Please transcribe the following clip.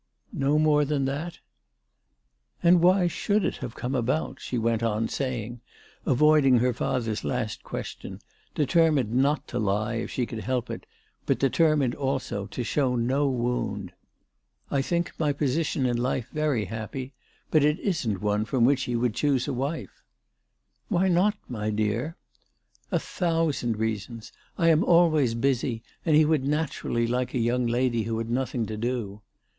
" No more than that ?"" And why should it have come about?" she went on saying, avoiding her father's last question, deter mined not to lie if she could help it, but determined, also, to show no wound. " I think my position in life 384 ALICE DUGDALE. very happy, but it isn't one from which he would choose a wife." " Why not, my dear ?" "A thousand reasons; I am always busy, and he would naturalty like a young lady who had nothing to do."